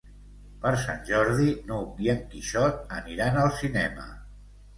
Per Sant Jordi n'Hug i en Quixot aniran al cinema.